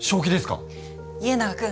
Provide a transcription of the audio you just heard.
家長君。